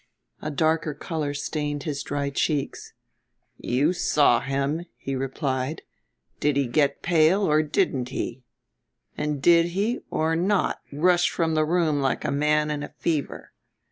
A darker color stained his dry cheeks. "You saw him," he replied. "Did he get pale or didn't he? And did he or not rush from the room like a man in a fever?